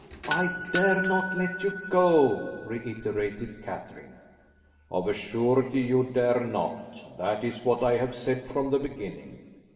"I dare not let you go," reiterated Catherine. "Of a surety you dare not; that is what I have said from the beginning.